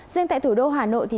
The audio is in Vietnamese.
riêng tại thủ đô hà nội